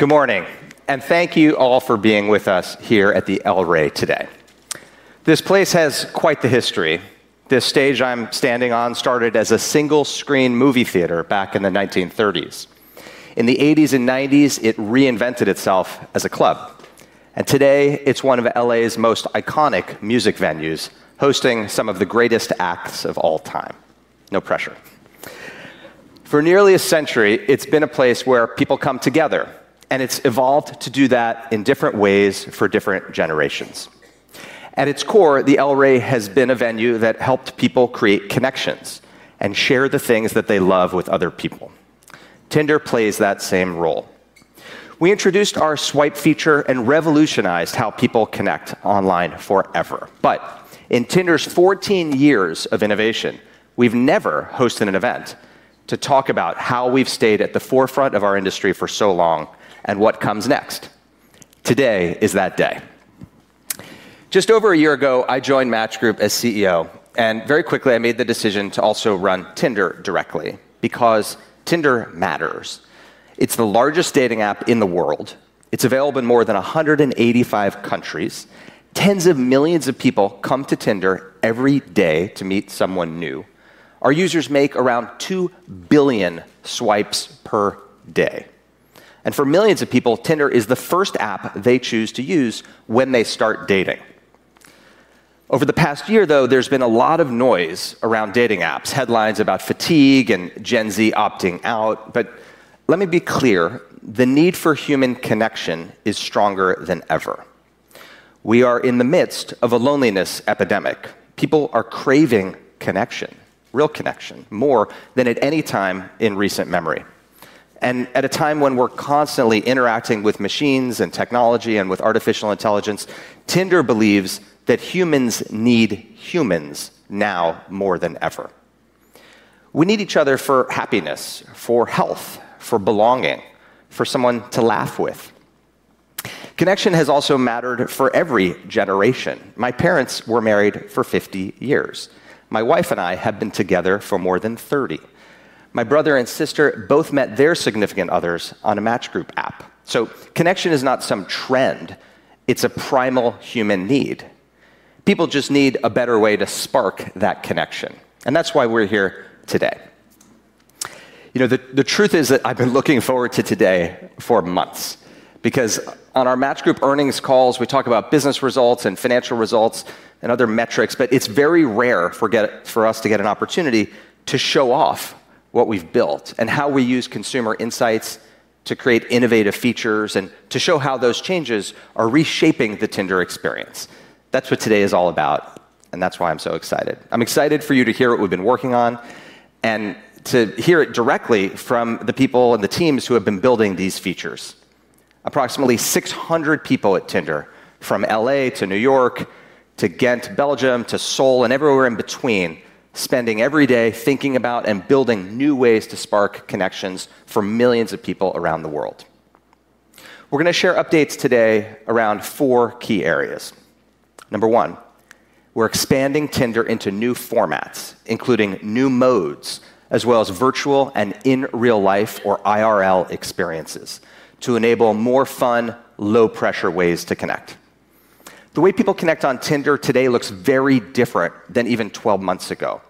Good morning, and thank you all for being with us here at the El Rey today. This place has quite the history. This stage I'm standing on started as a single-screen movie theater back in the 1930s. In the 1980s and 1990s, it reinvented itself as a club. Today, it's one of L.A.'s most iconic music venues, hosting some of the greatest acts of all time. No pressure. For nearly a century, it's been a place where people come together, and it's evolved to do that in different ways for different generations. At its core, the El Rey has been a venue that helped people create connections and share the things that they love with other people. Tinder plays that same role. We introduced our swipe feature and revolutionized how people connect online forever. In Tinder's 14 years of innovation, we've never hosted an event to talk about how we've stayed at the forefront of our industry for so long and what comes next. Today is that day. Just over a year ago, I joined Match Group as CEO, and very quickly I made the decision to also run Tinder directly because Tinder matters. It's the largest dating app in the world. It's available in more than 185 countries. Tens of millions of people come to Tinder every day to meet someone new. Our users make around 2 billion swipes per day. For millions of people, Tinder is the first app they choose to use when they start dating. Over the past year, though, there's been a lot of noise around dating apps. Headlines about fatigue and Gen Z opting out. Let me be clear, the need for human connection is stronger than ever. We are in the midst of a loneliness epidemic. People are craving connection, real connection, more than at any time in recent memory. At a time when we're constantly interacting with machines and technology and with artificial intelligence, Tinder believes that humans need humans now more than ever. We need each other for happiness, for health, for belonging, for someone to laugh with. Connection has also mattered for every generation. My parents were married for 50 years. My wife and I have been together for more than 30. My brother and sister both met their significant others on a Match Group app. Connection is not some trend, it's a primal human need. People just need a better way to spark that connection, and that's why we're here today. You know, the truth is that I've been looking forward to today for months because on our Match Group earnings calls, we talk about business results and financial results and other metrics, but it's very rare for us to get an opportunity to show off what we've built and how we use consumer insights to create innovative features and to show how those changes are reshaping the Tinder experience. That's what today is all about, and that's why I'm so excited. I'm excited for you to hear what we've been working on and to hear it directly from the people and the teams who have been building these features. Approximately 600 people at Tinder from L.A. to New York to Ghent, Belgium, to Seoul and everywhere in between, spending every day thinking about and building new ways to spark connections for millions of people around the world. We're going to share updates today around four key areas. Number one, we're expanding Tinder into new formats, including new modes as well as virtual and in-real life or IRL experiences to enable more fun, low-pressure ways to connect. The way people connect on Tinder today looks very different than even 12 months ago.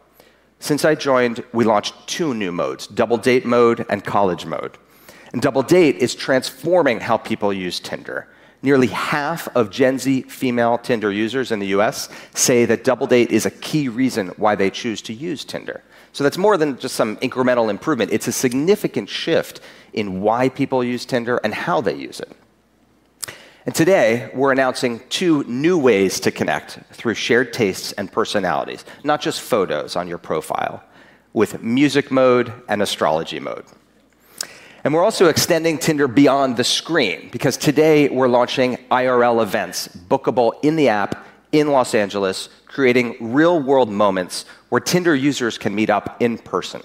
Since I joined, we launched two new modes, Double Date Mode and College Mode. Double Date is transforming how people use Tinder. Nearly half of Gen Z female Tinder users in the U.S. say that Double Date is a key reason why they choose to use Tinder. That's more than just some incremental improvement. It's a significant shift in why people use Tinder and how they use it. Today, we're announcing two new ways to connect through shared tastes and personalities, not just photos on your profile, with Music Mode and Astrology Mode. We're also extending Tinder beyond the screen because today we're launching IRL events bookable in the app in Los Angeles, creating real-world moments where Tinder users can meet up in person.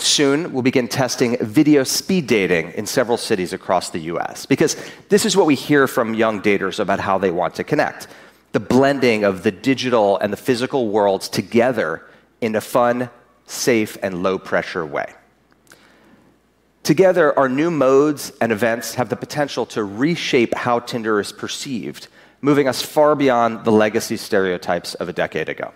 Soon we'll begin testing video speed dating in several cities across the U.S. because this is what we hear from young daters about how they want to connect. The blending of the digital and the physical worlds together in a fun, safe, and low-pressure way. Together, our new modes and events have the potential to reshape how Tinder is perceived, moving us far beyond the legacy stereotypes of a decade ago.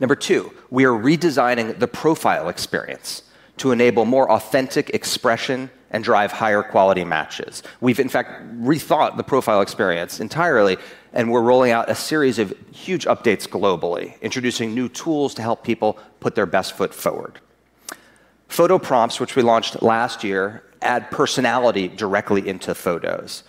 Number two, we are redesigning the profile experience to enable more authentic expression and drive higher quality matches. We've in fact rethought the profile experience entirely, and we're rolling out a series of huge updates globally, introducing new tools to help people put their best foot forward. Photo Prompts, which we launched last year, add personality directly into photos.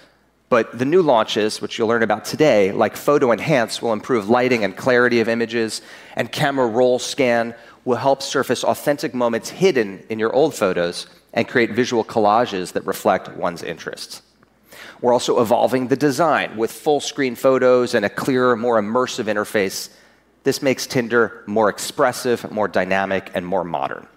The new launches, which you'll learn about today, like Photo Enhance, will improve lighting and clarity of images, and Camera Roll Scan will help surface authentic moments hidden in your old photos and create visual collages that reflect one's interests. We're also evolving the design with full-screen photos and a clearer, more immersive interface. This makes Tinder more expressive, more dynamic, and more modern.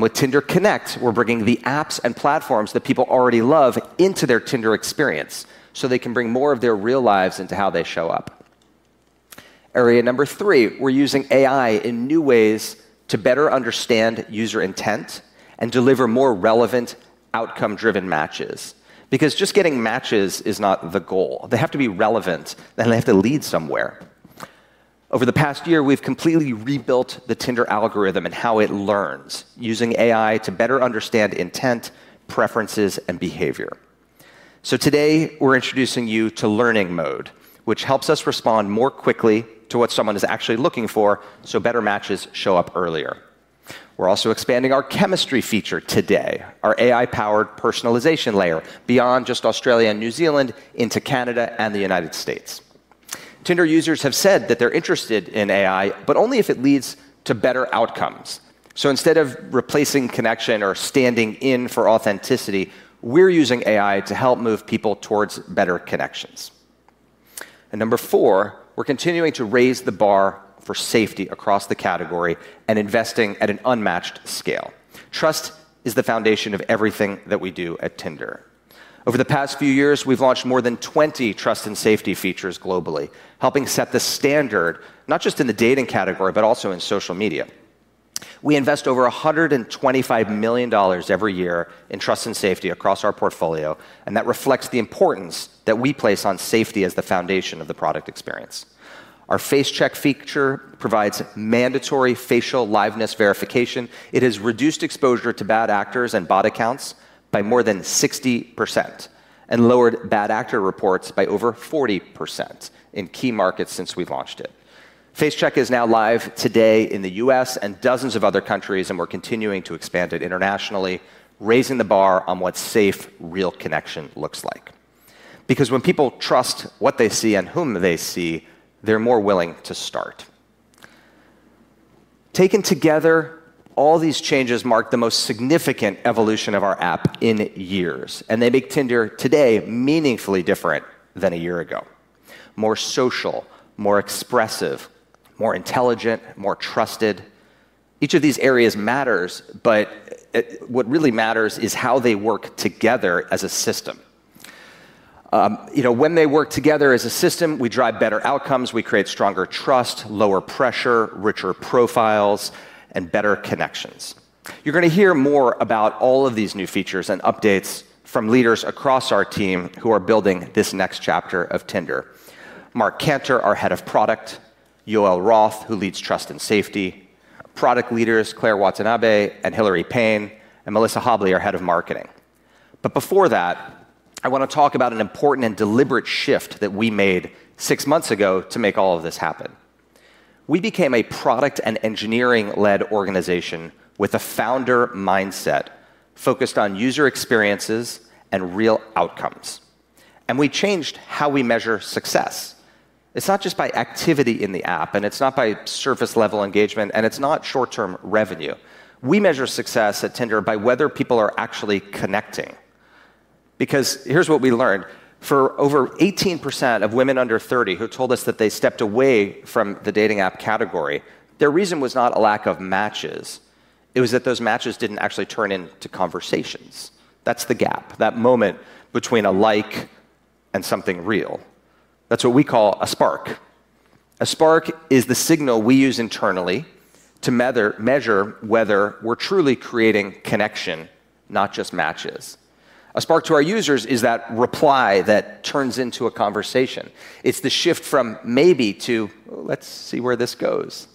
With Tinder Connect, we're bringing the apps and platforms that people already love into their Tinder experience, so they can bring more of their real lives into how they show up. Area number three, we're using AI in new ways to better understand user intent and deliver more relevant outcome-driven matches. Because just getting matches is not the goal. They have to be relevant, and they have to lead somewhere. Over the past year, we've completely rebuilt the Tinder algorithm and how it learns using AI to better understand intent, preferences, and behavior. Today we're introducing you to Learning Mode, which helps us respond more quickly to what someone is actually looking for so better matches show up earlier. We're also expanding our Chemistry feature today, our AI-powered personalization layer, beyond just Australia and New Zealand into Canada and the United States. Tinder users have said that they're interested in AI, but only if it leads to better outcomes. Instead of replacing connection or standing in for authenticity, we're using AI to help move people towards better connections. Number four, we're continuing to raise the bar for safety across the category and investing at an unmatched scale. Trust is the foundation of everything that we do at Tinder. Over the past few years, we've launched more than 20 trust and safety features globally, helping set the standard not just in the dating category, but also in social media. We invest over $125 million every year in trust and safety across our portfolio, and that reflects the importance that we place on safety as the foundation of the product experience. Our Face Check feature provides mandatory facial liveness verification. It has reduced exposure to bad actors and bot accounts by more than 60% and lowered bad actor reports by over 40% in key markets since we've launched it. Face Check is now live today in the U.S. and dozens of other countries, and we're continuing to expand it internationally, raising the bar on what safe, real connection looks like. Because when people trust what they see and whom they see, they're more willing to start. Taken together, all these changes mark the most significant evolution of our app in years, and they make Tinder today meaningfully different than a year ago. More social, more expressive, more intelligent, more trusted. Each of these areas matters, but what really matters is how they work together as a system. You know, when they work together as a system, we drive better outcomes. We create stronger trust, lower pressure, richer profiles, and better connections. You're gonna hear more about all of these new features and updates from leaders across our team who are building this next chapter of Tinder. Mark Kantor, our head of product, Yoel Roth, who leads trust and safety, product leaders Claire Watanabe and Hillary Paine, and Melissa Hobley, our head of marketing. Before that, I want to talk about an important and deliberate shift that we made six months ago to make all of this happen. We became a product and engineering-led organization with a founder mindset focused on user experiences and real outcomes. We changed how we measure success. It's not just by activity in the app, and it's not by surface-level engagement, and it's not short-term revenue. We measure success at Tinder by whether people are actually connecting. Because here's what we learned. For over 18% of women under 30 who told us that they stepped away from the dating app category, their reason was not a lack of matches. It was that those matches didn't actually turn into conversations. That's the gap. That moment between a like and something real. That's what we call a spark. A spark is the signal we use internally to measure whether we're truly creating connection, not just matches. A spark to our users is that reply that turns into a conversation. It's the shift from maybe to let's see where this goes.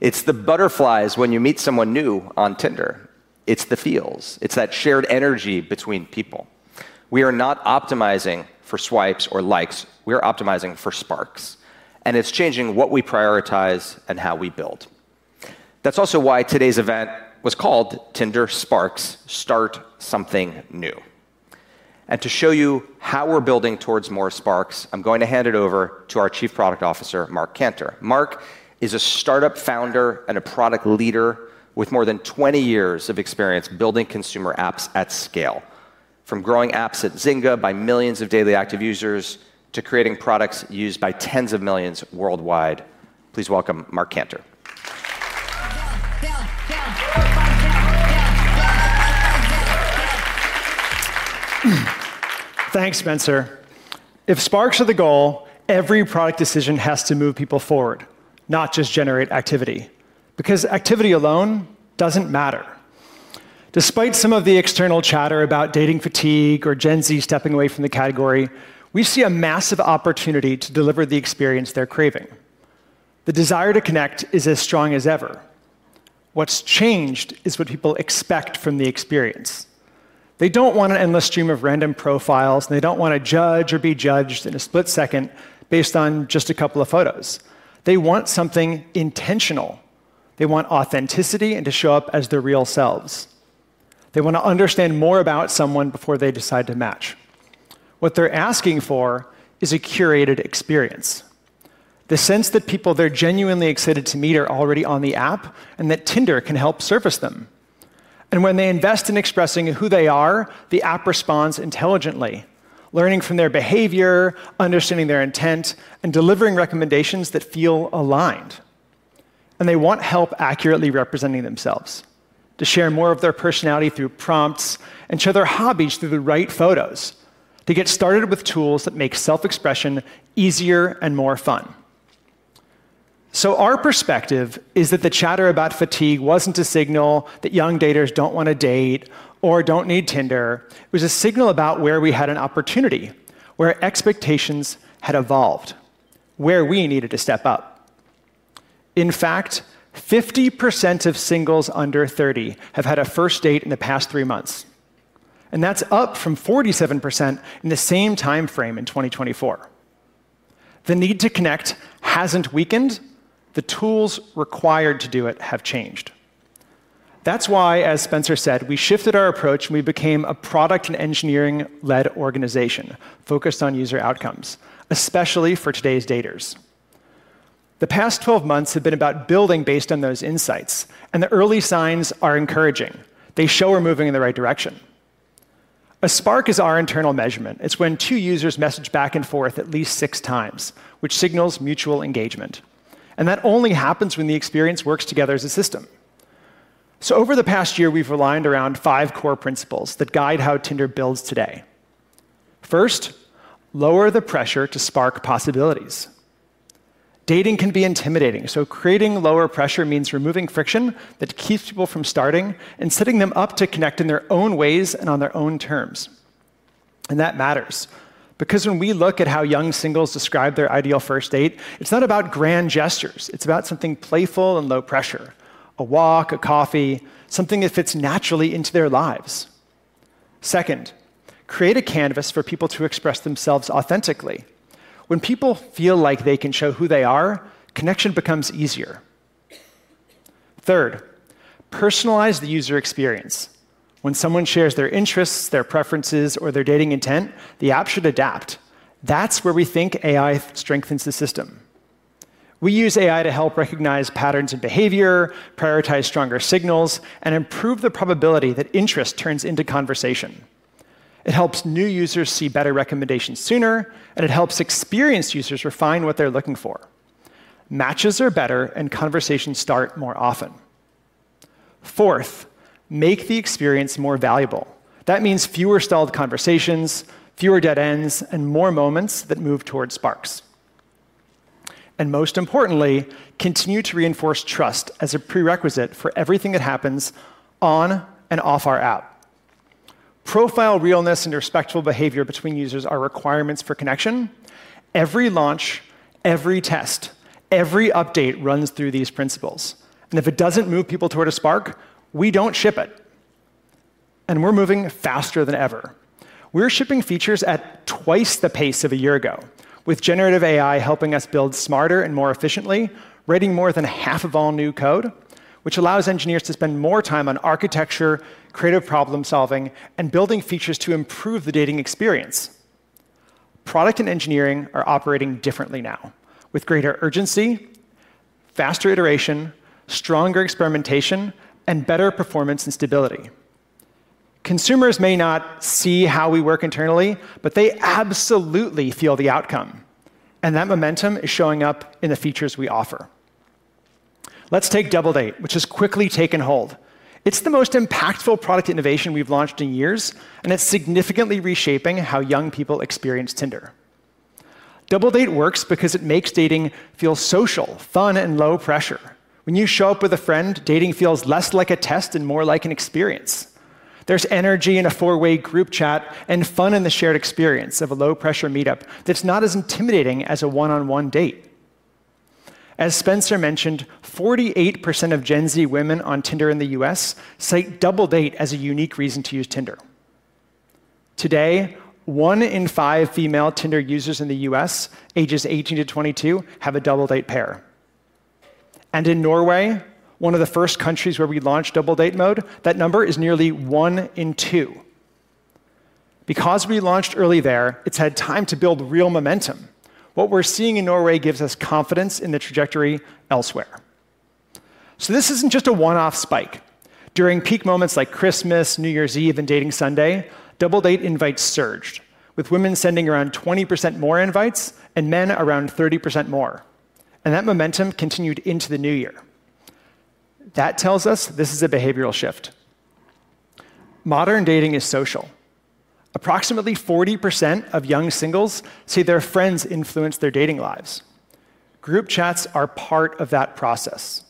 It's the butterflies when you meet someone new on Tinder. It's the feels. It's that shared energy between people. We are not optimizing for swipes or likes. We are optimizing for sparks. It's changing what we prioritize and how we build. That's also why today's event was called SPARKS 2026: Start Something New. To show you how we're building towards more sparks, I'm going to hand it over to our Chief Product Officer, Mark Kantor. Mark is a startup founder and a product leader with more than 20 years of experience building consumer apps at scale. From growing apps at Zynga by millions of daily active users to creating products used by tens of millions worldwide. Please welcome Mark Kantor. Yeah, yeah. Come on. Yeah, yeah, yeah. Thanks, Spencer. If sparks are the goal, every product decision has to move people forward, not just generate activity. Because activity alone doesn't matter. Despite some of the external chatter about dating fatigue or Gen Z stepping away from the category, we see a massive opportunity to deliver the experience they're craving. The desire to connect is as strong as ever. What's changed is what people expect from the experience. They don't want an endless stream of random profiles, and they don't want to judge or be judged in a split second based on just a couple of photos. They want something intentional. They want authenticity and to show up as their real selves. They want to understand more about someone before they decide to match. What they're asking for is a curated experience. The sense that people they're genuinely excited to meet are already on the app and that Tinder can help surface them. When they invest in expressing who they are, the app responds intelligently, learning from their behavior, understanding their intent, and delivering recommendations that feel aligned. They want help accurately representing themselves. To share more of their personality through prompts and show their hobbies through the right photos. To get started with tools that make self-expression easier and more fun. Our perspective is that the chatter about fatigue wasn't a signal that young daters don't want to date or don't need Tinder. It was a signal about where we had an opportunity, where expectations had evolved, where we needed to step up. In fact, 50% of singles under 30 have had a first date in the past three months, and that's up from 47% in the same time frame in 2024. The need to connect hasn't weakened. The tools required to do it have changed. That's why, as Spencer said, we shifted our approach and we became a product and engineering-led organization focused on user outcomes, especially for today's daters. The past 12 months have been about building based on those insights, and the early signs are encouraging. They show we're moving in the right direction. A spark is our internal measurement. It's when two users message back and forth at least six times, which signals mutual engagement. That only happens when the experience works together as a system. Over the past year, we've aligned around five core principles that guide how Tinder builds today. First, lower the pressure to spark possibilities. Dating can be intimidating, so creating lower pressure means removing friction that keeps people from starting and setting them up to connect in their own ways and on their own terms. That matters because when we look at how young singles describe their ideal first date, it's not about grand gestures. It's about something playful and low pressure, a walk, a coffee, something that fits naturally into their lives. Second, create a canvas for people to express themselves authentically. When people feel like they can show who they are, connection becomes easier. Third, personalize the user experience. When someone shares their interests, their preferences, or their dating intent, the app should adapt. That's where we think AI strengthens the system. We use AI to help recognize patterns of behavior, prioritize stronger signals, and improve the probability that interest turns into conversation. It helps new users see better recommendations sooner, and it helps experienced users refine what they're looking for. Matches are better and conversations start more often. Fourth, make the experience more valuable. That means fewer stalled conversations, fewer dead ends, and more moments that move towards sparks. Most importantly, continue to reinforce trust as a prerequisite for everything that happens on and off our app. Profile realness and respectful behavior between users are requirements for connection. Every launch, every test, every update runs through these principles. If it doesn't move people toward a spark, we don't ship it. We're moving faster than ever. We're shipping features at twice the pace of a year ago. With generative AI helping us build smarter and more efficiently, writing more than half of all new code, which allows engineers to spend more time on architecture, creative problem-solving, and building features to improve the dating experience. Product and engineering are operating differently now with greater urgency, faster iteration, stronger experimentation, and better performance and stability. Consumers may not see how we work internally, but they absolutely feel the outcome. That momentum is showing up in the features we offer. Let's take Double Date, which has quickly taken hold. It's the most impactful product innovation we've launched in years, and it's significantly reshaping how young people experience Tinder. Double Date works because it makes dating feel social, fun, and low pressure. When you show up with a friend, dating feels less like a test and more like an experience. There's energy in a four-way group chat and fun in the shared experience of a low-pressure meetup that's not as intimidating as a one-on-one date. As Spencer mentioned, 48% of Gen Z women on Tinder in the U.S. cite Double Date as a unique reason to use Tinder. Today, one in five female Tinder users in the U.S. ages 18 to 22 have a Double Date pair. In Norway, one of the first countries where we launched Double Date mode, that number is nearly one in two. Because we launched early there, it's had time to build real momentum. What we're seeing in Norway gives us confidence in the trajectory elsewhere. This isn't just a one-off spike. During peak moments like Christmas, New Year's Eve, and Dating Sunday, Double Date invites surged, with women sending around 20% more invites and men around 30% more. That momentum continued into the new year. That tells us this is a behavioral shift. Modern dating is social. Approximately 40% of young singles say their friends influence their dating lives. Group chats are part of that process.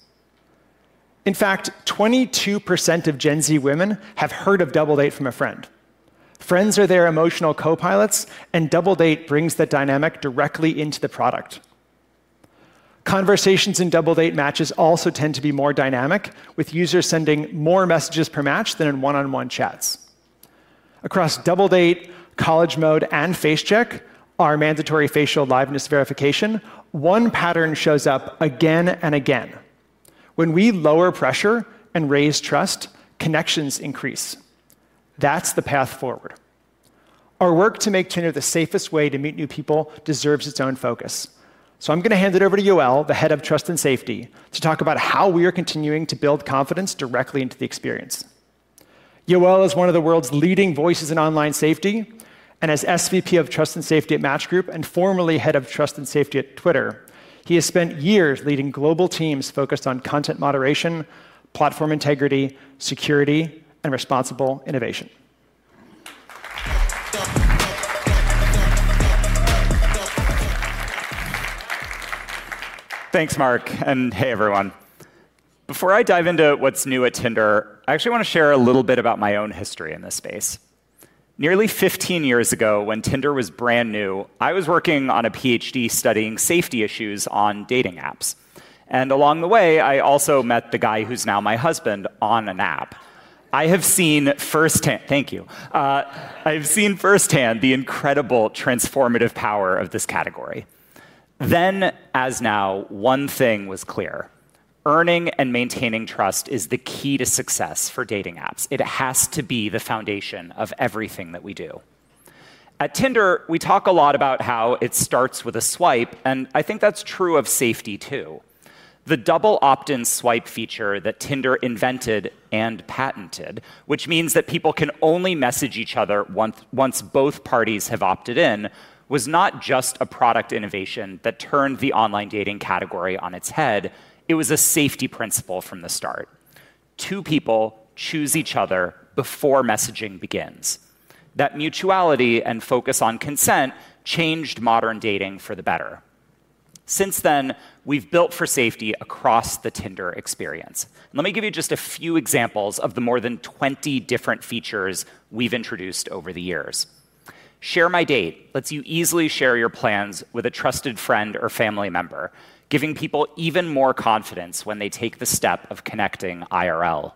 In fact, 22% of Gen Z women have heard of Double Date from a friend. Friends are their emotional co-pilots, and Double Date brings that dynamic directly into the product. Conversations in Double Date matches also tend to be more dynamic, with users sending more messages per match than in one-on-one chats. Across Double Date, College Mode, and Face Check, our mandatory facial liveness verification, one pattern shows up again and again. When we lower pressure and raise trust, connections increase. That's the path forward. Our work to make Tinder the safest way to meet new people deserves its own focus. I'm going to hand it over to Yoel, the Head of Trust and Safety, to talk about how we are continuing to build confidence directly into the experience. Yoel is one of the world's leading voices in online safety, and as SVP of Trust and Safety at Match Group and formerly head of Trust and Safety at Twitter, he has spent years leading global teams focused on content moderation, platform integrity, security, and responsible innovation. Thanks, Mark, and hey, everyone. Before I dive into what's new at Tinder, I actually wanna share a little bit about my own history in this space. Nearly 15 years ago, when Tinder was brand new, I was working on a PhD studying safety issues on dating apps. Along the way, I also met the guy who's now my husband on an app. I've seen firsthand the incredible transformative power of this category. As now, one thing was clear: earning and maintaining trust is the key to success for dating apps. It has to be the foundation of everything that we do. At Tinder, we talk a lot about how it starts with a swipe, and I think that's true of safety too. The double opt-in swipe feature that Tinder invented and patented, which means that people can only message each other once both parties have opted in, was not just a product innovation that turned the online dating category on its head, it was a safety principle from the start. Two people choose each other before messaging begins. That mutuality and focus on consent changed modern dating for the better. Since then, we've built for safety across the Tinder experience. Let me give you just a few examples of the more than 20 different features we've introduced over the years. Share My Date lets you easily share your plans with a trusted friend or family member, giving people even more confidence when they take the step of connecting IRL.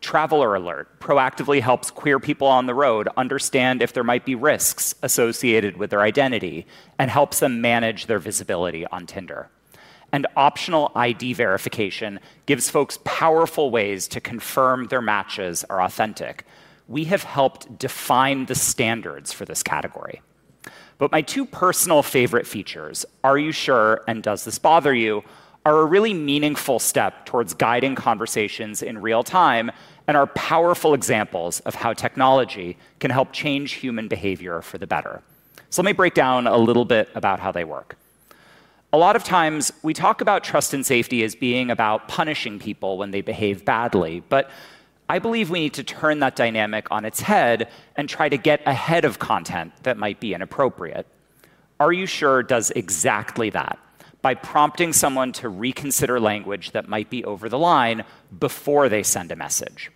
Traveler Alert proactively helps queer people on the road understand if there might be risks associated with their identity and helps them manage their visibility on Tinder. Optional ID Verification gives folks powerful ways to confirm their matches are authentic. We have helped define the standards for this category. My two personal favorite features, Are You Sure? and Does This Bother You?, are a really meaningful step towards guiding conversations in real time and are powerful examples of how technology can help change human behavior for the better. Let me break down a little bit about how they work. A lot of times we talk about trust and safety as being about punishing people when they behave badly, but I believe we need to turn that dynamic on its head and try to get ahead of content that might be inappropriate. Are You Sure? Does exactly that by prompting someone to reconsider language that might be over the line before they send a message.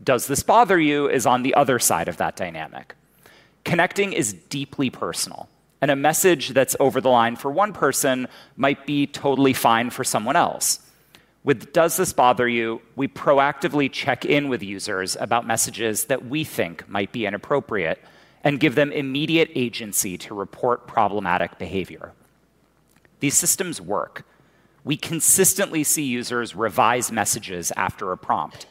Does This Bother You? is on the other side of that dynamic. Connecting is deeply personal, and a message that's over the line for one person might be totally fine for someone else. With Does This Bother You?, we proactively check in with users about messages that we think might be inappropriate and give them immediate agency to report problematic behavior. These systems work. We consistently see users revise messages after a prompt.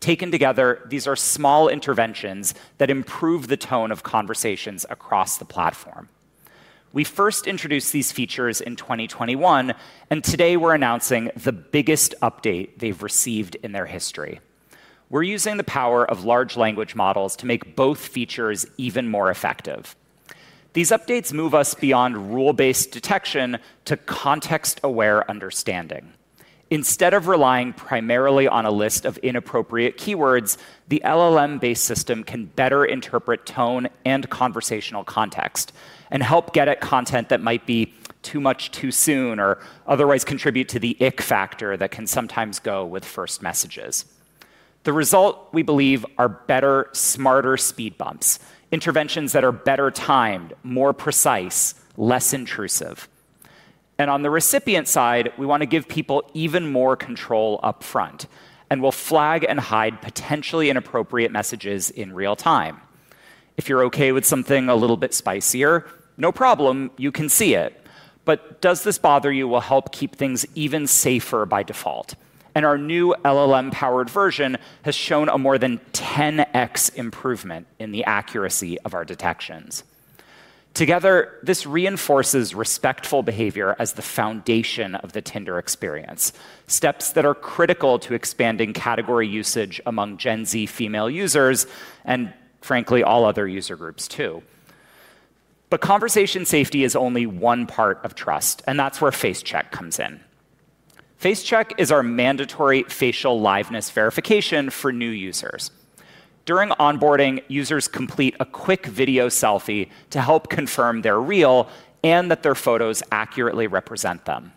Taken together, these are small interventions that improve the tone of conversations across the platform. We first introduced these features in 2021, and today we're announcing the biggest update they've received in their history. We're using the power of large language models to make both features even more effective. These updates move us beyond rule-based detection to context-aware understanding. Instead of relying primarily on a list of inappropriate keywords, the LLM-based system can better interpret tone and conversational context and help get at content that might be too much too soon or otherwise contribute to the ick factor that can sometimes go with first messages. The result, we believe, are better, smarter speed bumps, interventions that are better timed, more precise, less intrusive. On the recipient side, we wanna give people even more control upfront, and we'll flag and hide potentially inappropriate messages in real time. If you're okay with something a little bit spicier, no problem, you can see it. Does This Bother You? will help keep things even safer by default. Our new LLM-powered version has shown a more than 10x improvement in the accuracy of our detections. Together, this reinforces respectful behavior as the foundation of the Tinder experience, steps that are critical to expanding category usage among Gen Z female users and, frankly, all other user groups too. Conversation safety is only one part of trust, and that's where Face Check comes in. Face Check is our mandatory facial liveness verification for new users. During onboarding, users complete a quick video selfie to help confirm they're real and that their photos accurately represent them.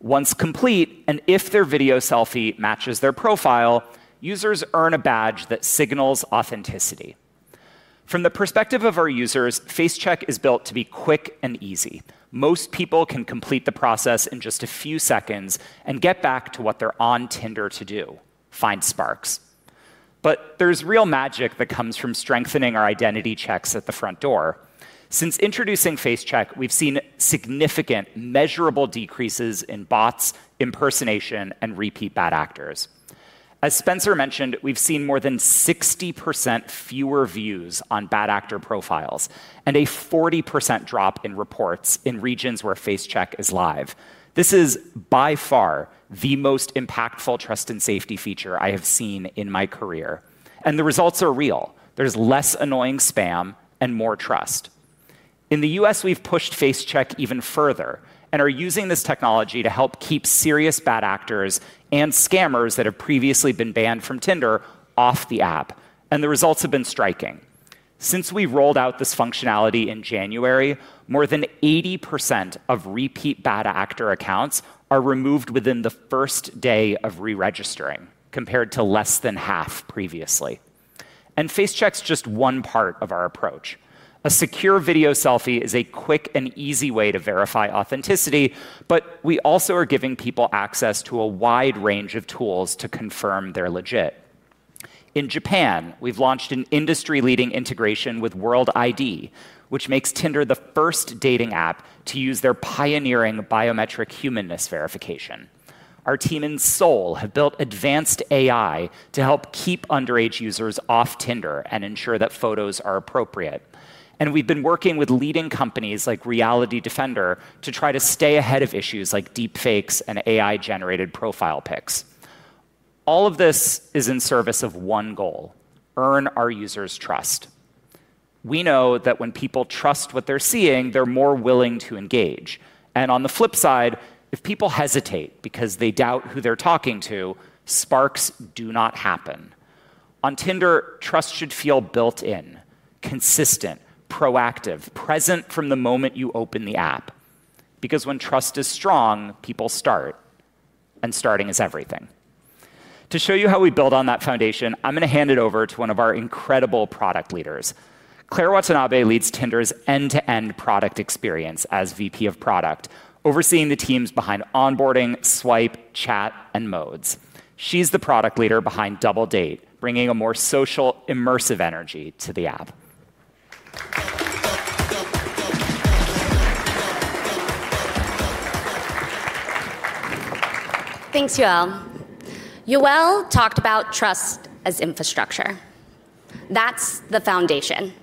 Once complete, and if their video selfie matches their profile, users earn a badge that signals authenticity. From the perspective of our users, Face Check is built to be quick and easy. Most people can complete the process in just a few seconds and get back to what they're on Tinder to do, find sparks. There's real magic that comes from strengthening our identity checks at the front door. Since introducing Face Check, we've seen significant measurable decreases in bots, impersonation, and repeat bad actors. As Spencer mentioned, we've seen more than 60% fewer views on bad actor profiles and a 40% drop in reports in regions where Face Check is live. This is by far the most impactful trust and safety feature I have seen in my career, and the results are real. There's less annoying spam and more trust. In the U.S., we've pushed Face Check even further and are using this technology to help keep serious bad actors and scammers that have previously been banned from Tinder off the app, and the results have been striking. Since we've rolled out this functionality in January, more than 80% of repeat bad actor accounts are removed within the first day of re-registering, compared to less than half previously. Face Check's just one part of our approach. A secure video selfie is a quick and easy way to verify authenticity, but we also are giving people access to a wide range of tools to confirm they're legit. In Japan, we've launched an industry-leading integration with World ID, which makes Tinder the first dating app to use their pioneering biometric humanness verification. Our team in Seoul have built advanced AI to help keep underage users off Tinder and ensure that photos are appropriate. We've been working with leading companies like Reality Defender to try to stay ahead of issues like deepfakes and AI-generated profile pics. All of this is in service of one goal: earn our users' trust. We know that when people trust what they're seeing, they're more willing to engage. On the flip side, if people hesitate because they doubt who they're talking to, sparks do not happen. On Tinder, trust should feel built in, consistent, proactive, present from the moment you open the app. Because when trust is strong, people start, and starting is everything. To show you how we build on that foundation, I'm gonna hand it over to one of our incredible product leaders. Claire Watanabe leads Tinder's end-to-end product experience as VP of Product, overseeing the teams behind onboarding, swipe, chat, and modes. She's the product leader behind Double Date, bringing a more social, immersive energy to the app. Thanks, Yoel. Yoel talked about trust as infrastructure. That's the foundation.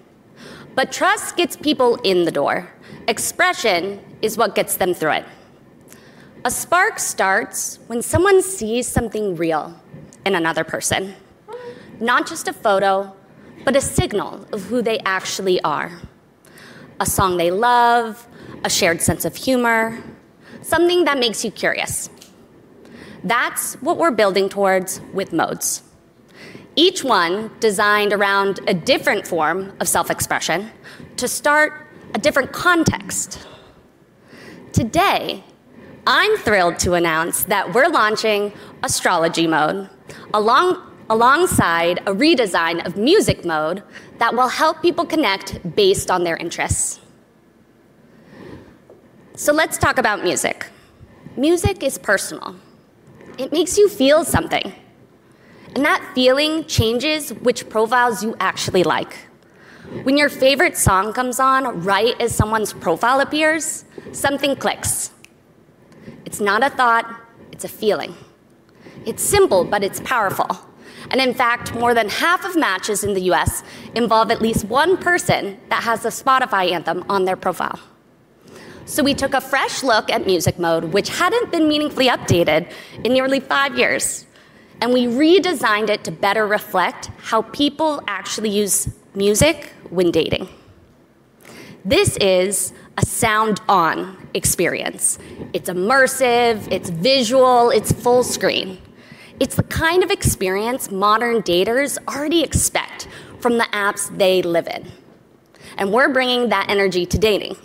Trust gets people in the door. Expression is what gets them through it. A spark starts when someone sees something real in another person. Not just a photo, but a signal of who they actually are. A song they love, a shared sense of humor, something that makes you curious. That's what we're building towards with modes. Each one designed around a different form of self-expression to start a different context. Today, I'm thrilled to announce that we're launching Astrology Mode along, alongside a redesign of Music Mode that will help people connect based on their interests. Let's talk about music. Music is personal. It makes you feel something. That feeling changes which profiles you actually like. When your favorite song comes on right as someone's profile appears, something clicks. It's not a thought, it's a feeling. It's simple, but it's powerful. In fact, more than half of matches in the U.S. involve at least one person that has a Spotify anthem on their profile. We took a fresh look at Music Mode, which hadn't been meaningfully updated in nearly 5 years, and we redesigned it to better reflect how people actually use music when dating. This is a sound-on experience. It's immersive, it's visual, it's full screen. It's the kind of experience modern daters already expect from the apps they live in. We're bringing that energy to dating.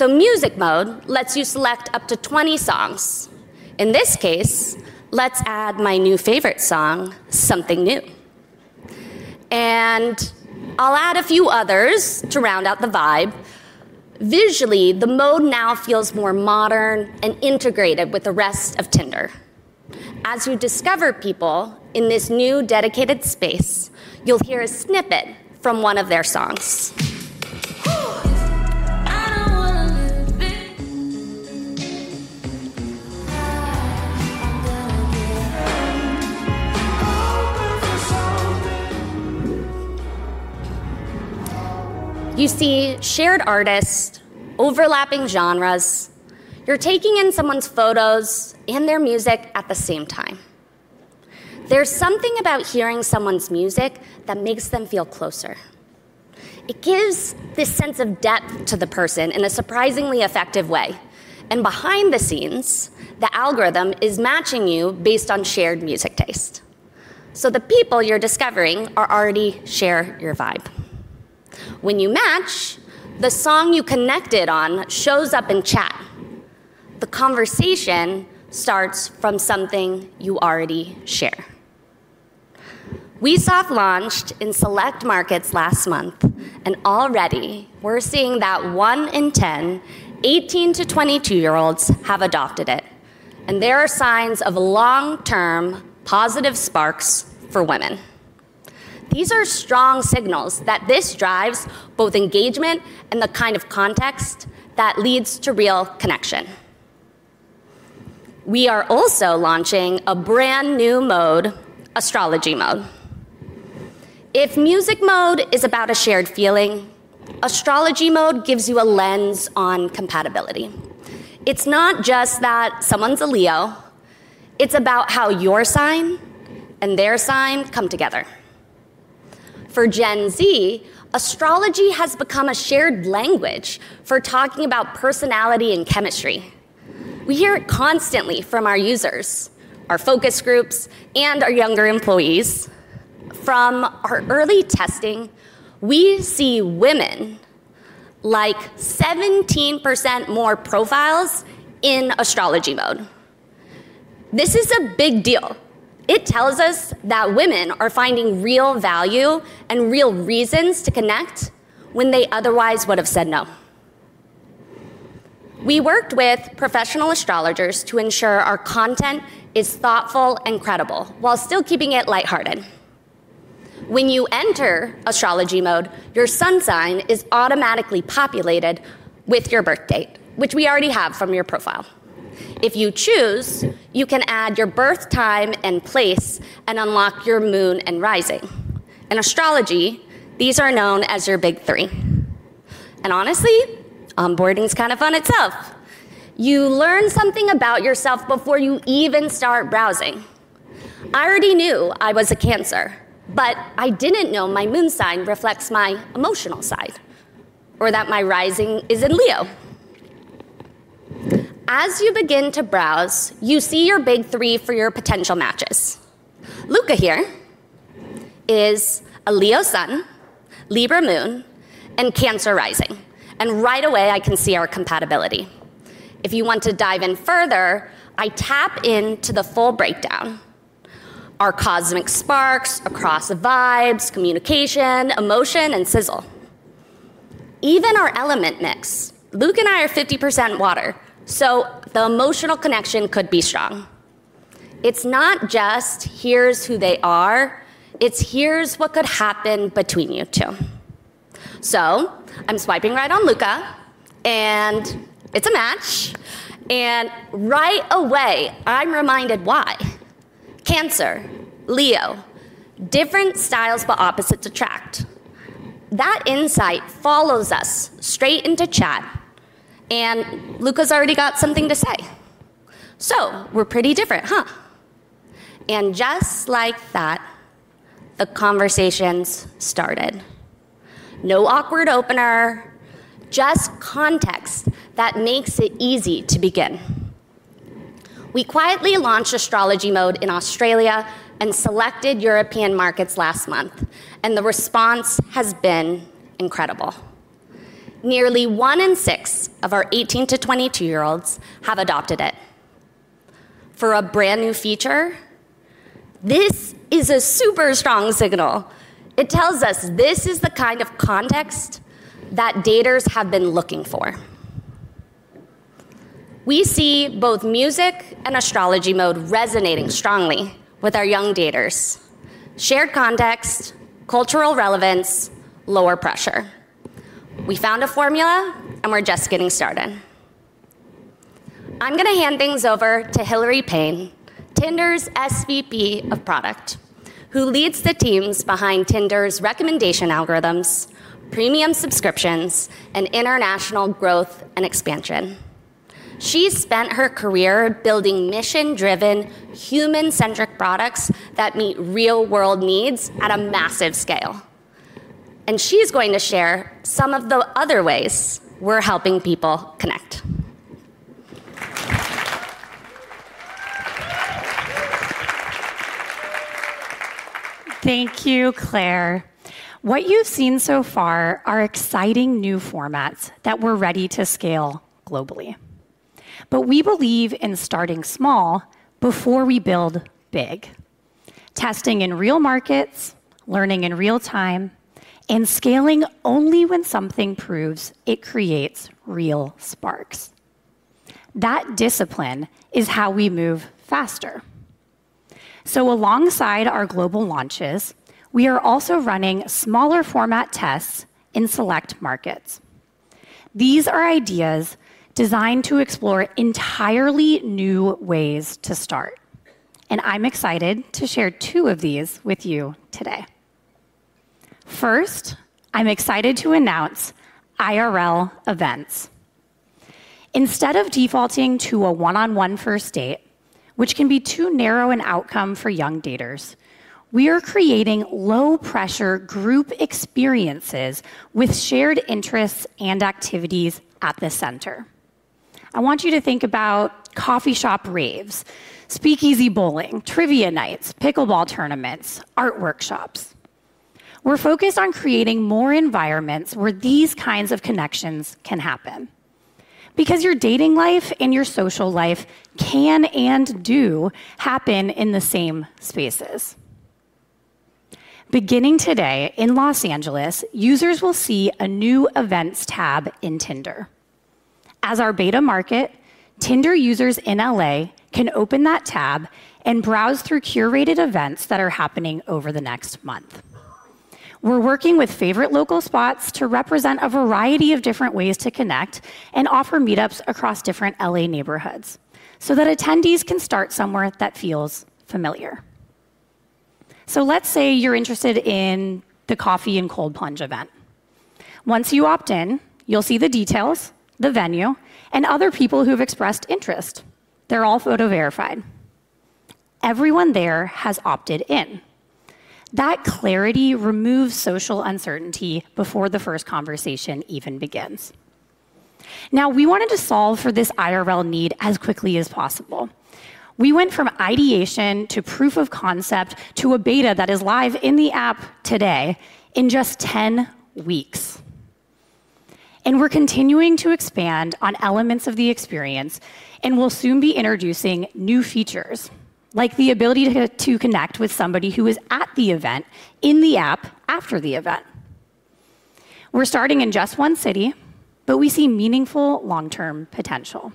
Music Mode lets you select up to 20 songs. In this case, let's add my new favorite song, Something New. I'll add a few others to round out the vibe. Visually, the mode now feels more modern and integrated with the rest of Tinder. As you discover people in this new dedicated space, you'll hear a snippet from one of their songs. You see shared artists, overlapping genres. You're taking in someone's photos and their music at the same time. There's something about hearing someone's music that makes them feel closer. It gives this sense of depth to the person in a surprisingly effective way. Behind the scenes, the algorithm is matching you based on shared music taste. The people you're discovering are already share your vibe. When you match, the song you connected on shows up in chat. The conversation starts from something you already share. We soft launched in select markets last month, and already we're seeing that one in 10 18-22-year-olds have adopted it, and there are signs of long-term positive sparks for women. These are strong signals that this drives both engagement and the kind of context that leads to real connection. We are also launching a brand-new mode, Astrology Mode. If Music Mode is about a shared feeling, Astrology Mode gives you a lens on compatibility. It's not just that someone's a Leo. It's about how your sign and their sign come together. For Gen Z, astrology has become a shared language for talking about personality and chemistry. We hear it constantly from our users, our focus groups, and our younger employees. From our early testing, we see women like 17% more profiles in Astrology Mode. This is a big deal. It tells us that women are finding real value and real reasons to connect when they otherwise would have said no. We worked with professional astrologers to ensure our content is thoughtful and credible while still keeping it lighthearted. When you enter astrology mode, your sun sign is automatically populated with your birthdate, which we already have from your profile. If you choose, you can add your birth time and place and unlock your moon and rising. In astrology, these are known as your big three. Honestly, onboarding's kind of fun itself. You learn something about yourself before you even start browsing. I already knew I was a Cancer, but I didn't know my moon sign reflects my emotional side or that my rising is in Leo. As you begin to browse, you see your big three for your potential matches. Luca here is a Leo sun, Libra moon, and Cancer rising, and right away I can see our compatibility. If you want to dive in further, I tap into the full breakdown. Our cosmic sparks across vibes, communication, emotion, and sizzle. Even our element mix. Luke and I are 50% water, so the emotional connection could be strong. It's not just here's who they are, it's here's what could happen between you two. I'm swiping right on Luca, and it's a match. Right away, I'm reminded why. Cancer, Leo, different styles, but opposites attract. That insight follows us straight into chat, and Luca's already got something to say. "So we're pretty different, huh?" Just like that, the conversation's started. No awkward opener, just context that makes it easy to begin. We quietly launched Astrology Mode in Australia and selected European markets last month, and the response has been incredible. Nearly one in six of our 18- to 22-year-olds have adopted it. For a brand-new feature, this is a super strong signal. It tells us this is the kind of context that daters have been looking for. We see both music and astrology mode resonating strongly with our young daters. Shared context, cultural relevance, lower pressure. We found a formula, and we're just getting started. I'm going to hand things over to Hillary Paine, Tinder's SVP of Product, who leads the teams behind Tinder's recommendation algorithms, premium subscriptions, and international growth and expansion. She spent her career building mission-driven, human-centric products that meet real-world needs at a massive scale. She's going to share some of the other ways we're helping people connect. Thank you, Claire. What you've seen so far are exciting new formats that we're ready to scale globally. We believe in starting small before we build big. Testing in real markets, learning in real time, and scaling only when something proves it creates real sparks. That discipline is how we move faster. Alongside our global launches, we are also running smaller format tests in select markets. These are ideas designed to explore entirely new ways to start, and I'm excited to share two of these with you today. First, I'm excited to announce IRL events. Instead of defaulting to a one-on-one first date, which can be too narrow an outcome for young daters, we are creating low-pressure group experiences with shared interests and activities at the center. I want you to think about coffee shop raves, speakeasy bowling, trivia nights, pickleball tournaments, art workshops. We're focused on creating more environments where these kinds of connections can happen because your dating life and your social life can and do happen in the same spaces. Beginning today in Los Angeles, users will see a new Events tab in Tinder. As our beta market, Tinder users in L.A. can open that tab and browse through curated events that are happening over the next month. We're working with favorite local spots to represent a variety of different ways to connect and offer meetups across different L.A. neighborhoods so that attendees can start somewhere that feels familiar. Let's say you're interested in the coffee and cold plunge event. Once you opt in, you'll see the details, the venue, and other people who've expressed interest. They're all photo verified. Everyone there has opted in. That clarity removes social uncertainty before the first conversation even begins. Now, we wanted to solve for this IRL need as quickly as possible. We went from ideation to proof of concept to a beta that is live in the app today in just 10 weeks. We're continuing to expand on elements of the experience and will soon be introducing new features, like the ability to connect with somebody who was at the event in the app after the event. We're starting in just one city, but we see meaningful long-term potential.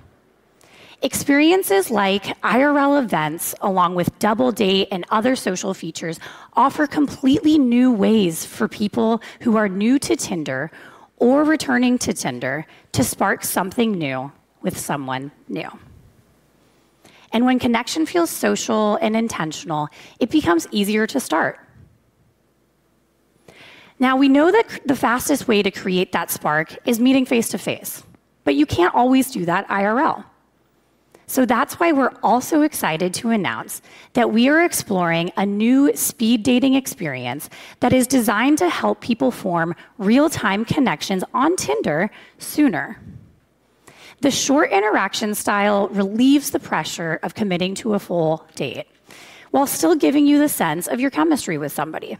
Experiences like IRL events, along with Double Date and other social features, offer completely new ways for people who are new to Tinder or returning to Tinder to spark something new with someone new. When connection feels social and intentional, it becomes easier to start. Now, we know that the fastest way to create that spark is meeting face-to-face, but you can't always do that IRL. That's why we're also excited to announce that we are exploring a new speed dating experience that is designed to help people form real-time connections on Tinder sooner. The short interaction style relieves the pressure of committing to a full date while still giving you the sense of your chemistry with somebody.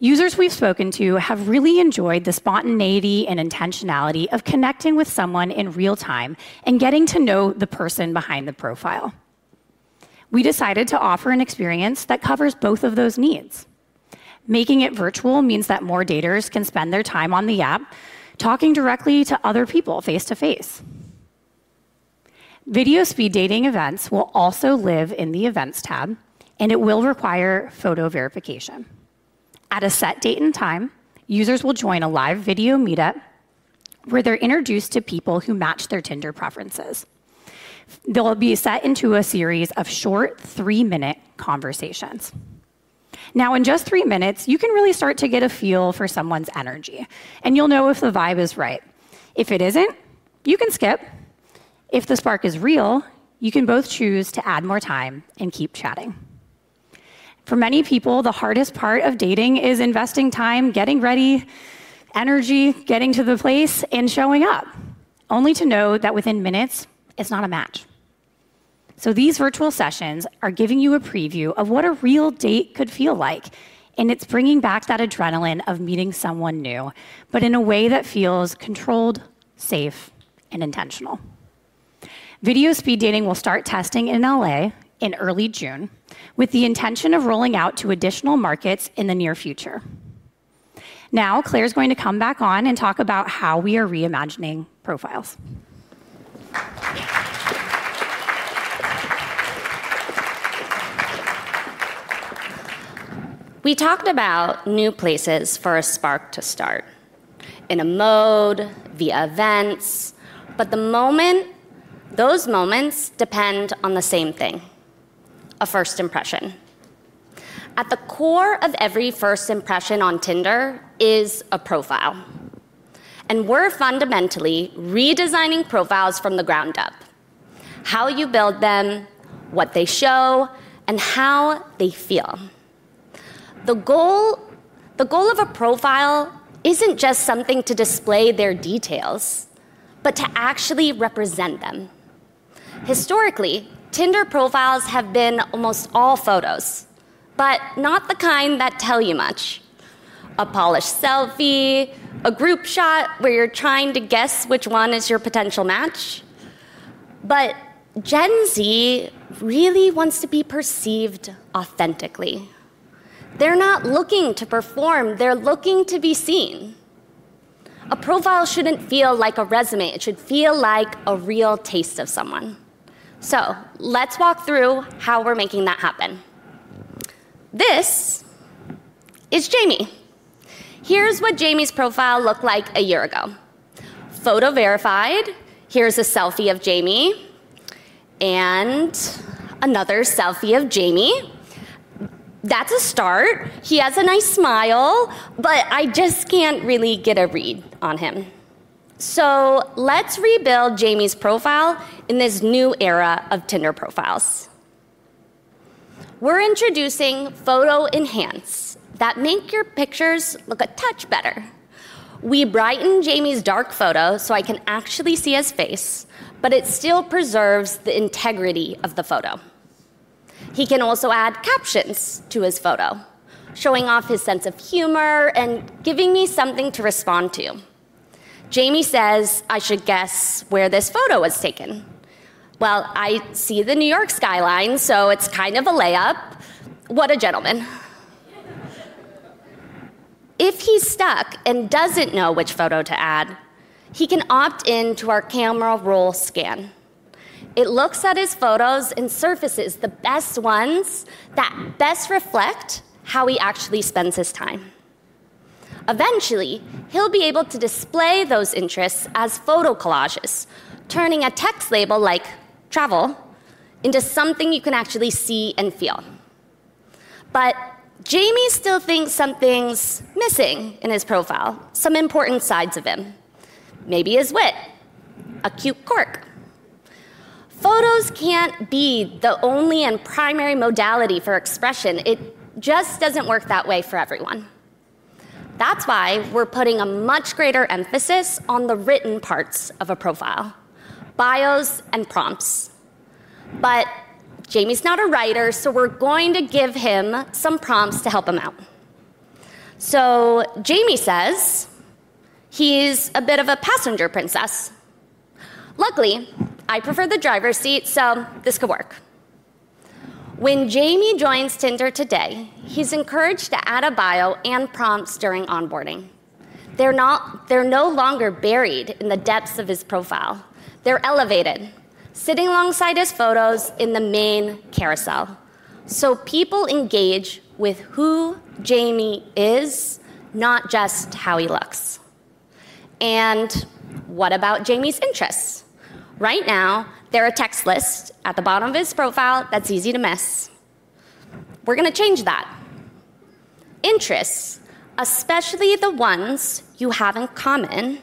Users we've spoken to have really enjoyed the spontaneity and intentionality of connecting with someone in real time and getting to know the person behind the profile. We decided to offer an experience that covers both of those needs. Making it virtual means that more daters can spend their time on the app talking directly to other people face-to-face. Video speed dating events will also live in the Events tab, and it will require photo verification. At a set date and time, users will join a live video meetup where they're introduced to people who match their Tinder preferences. They'll be set into a series of short three-minute conversations. Now, in just three minutes, you can really start to get a feel for someone's energy, and you'll know if the vibe is right. If it isn't, you can skip. If the spark is real, you can both choose to add more time and keep chatting. For many people, the hardest part of dating is investing time, getting ready, energy, getting to the place, and showing up, only to know that within minutes it's not a match. These virtual sessions are giving you a preview of what a real date could feel like, and it's bringing back that adrenaline of meeting someone new, but in a way that feels controlled, safe, and intentional. Video speed dating will start testing in L.A. in early June with the intention of rolling out to additional markets in the near future. Now, Claire's going to come back on and talk about how we are reimagining profiles. We talked about new places for a spark to start, in a mode, via events, but the moment, those moments depend on the same thing, a first impression. At the core of every first impression on Tinder is a profile, and we're fundamentally redesigning profiles from the ground up, how you build them, what they show, and how they feel. The goal of a profile isn't just something to display their details, but to actually represent them. Historically, Tinder profiles have been almost all photos, but not the kind that tell you much. A polished selfie, a group shot where you're trying to guess which one is your potential match. Gen Z really wants to be perceived authentically. They're not looking to perform. They're looking to be seen. A profile shouldn't feel like a resume. It should feel like a real taste of someone. Let's walk through how we're making that happen. This is Jamie. Here's what Jamie's profile looked like a year ago. Photo verified. Here's a selfie of Jamie and another selfie of Jamie. That's a start. He has a nice smile, but I just can't really get a read on him. Let's rebuild Jamie's profile in this new era of Tinder profiles. We're introducing Photo Enhance that make your pictures look a touch better. We brighten Jamie's dark photo, so I can actually see his face, but it still preserves the integrity of the photo. He can also add captions to his photo, showing off his sense of humor and giving me something to respond to. Jamie says I should guess where this photo was taken. Well, I see the New York skyline, so it's kind of a layup. What a gentleman. If he's stuck and doesn't know which photo to add, he can opt in to our Camera Roll Scan. It looks at his photos and surfaces the best ones that best reflect how he actually spends his time. Eventually, he'll be able to display those interests as photo collages, turning a text label like travel into something you can actually see and feel. Jamie still thinks something's missing in his profile, some important sides of him, maybe his wit, a cute quirk. Photos can't be the only and primary modality for expression. It just doesn't work that way for everyone. That's why we're putting a much greater emphasis on the written parts of a profile, bios and prompts. Jamie's not a writer, so we're going to give him some prompts to help him out. Jamie says he's a bit of a passenger princess. Luckily, I prefer the driver's seat, so this could work. When Jamie joins Tinder today, he's encouraged to add a bio and prompts during onboarding. They're no longer buried in the depths of his profile. They're elevated, sitting alongside his photos in the main carousel, so people engage with who Jamie is, not just how he looks. What about Jamie's interests? Right now, they're a text list at the bottom of his profile that's easy to miss. We're gonna change that. Interests, especially the ones you have in common,